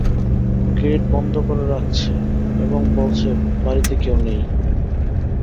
Gate বন্ধ করে রাখছে এবং বলছে বাড়িতে কেউ নেই।